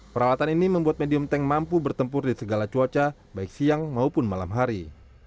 perawatan ini membuat medium tank mampu bertempur di segala cuaca baik siang maupun malam hari